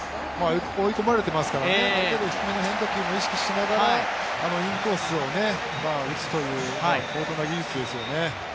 追い込まれていますから、変化球を意識しながらあのインコースを打つという高等な技術ですよね。